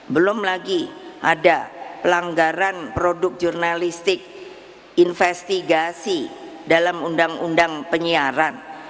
belum lagi ada pelanggaran produk jurnalistik investigasi dalam undang undang penyiaran